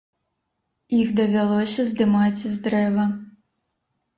Іх давялося здымаць з дрэва.